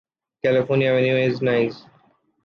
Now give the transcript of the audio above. California avenue in Nice.